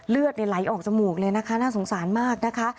เลือดไหลออกจมูกเลยนะคะน่าสงสารมากนะคะ